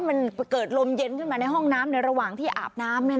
มันเกิดลมเย็นขึ้นมาในห้องน้ำในระหว่างที่อาบน้ำ